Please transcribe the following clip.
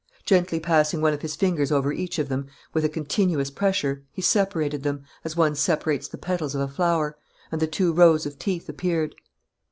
Gently passing one of his fingers over each of them, with a continuous pressure, he separated them, as one separates the petals of a flower; and the two rows of teeth appeared.